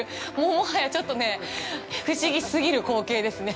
もはや、ちょっとね不思議すぎる光景ですね。